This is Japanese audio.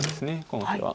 この手は。